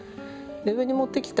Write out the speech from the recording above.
上に持ってきた